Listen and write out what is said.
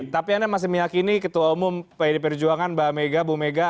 tapi anda masih meyakini ketua umum pdi perjuangan mbak mega bu mega